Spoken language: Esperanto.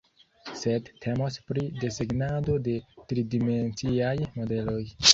sed temos pri desegnado de tridimenciaj modeloj